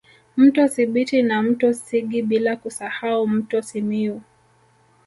Mto Sibiti na mto Sigi bila kusahau mto Simiyu